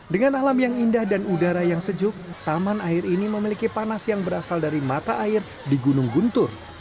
dengan alam yang indah dan udara yang sejuk taman air ini memiliki panas yang berasal dari mata air di gunung guntur